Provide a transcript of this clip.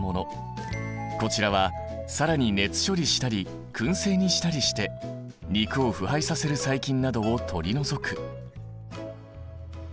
こちらは更に熱処理したりくん製にしたりして肉を腐敗させる細菌などを取り除く。